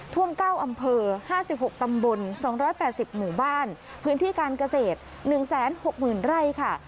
๒๖๖ตำบล๒๘๐หมู่บ้านพื้นที่การเกษตร๑๖๐๐๐๐ไร่ค่ะ